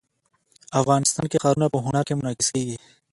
افغانستان کې ښارونه په هنر کې منعکس کېږي.